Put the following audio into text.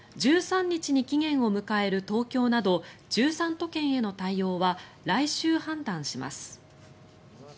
１３日に期限を迎える東京など１３都県への対応は来週判断します。